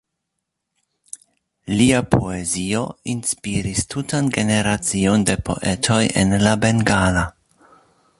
Lia poezio inspiris tutan generacion de poetoj en la bengala.